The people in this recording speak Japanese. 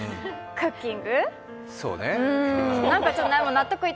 クッキン！